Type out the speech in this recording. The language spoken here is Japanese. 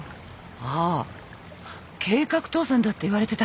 ああ計画倒産だっていわれてたっけ？